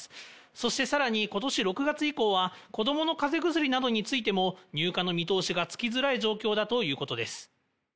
そして、さらにことし６月以降は、子どものかぜ薬などについても、入荷の見通しがつきづらい状況だということです。